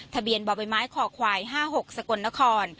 ทะเบียนบ่อใบไม้ขอควาย๕๖สกลนคร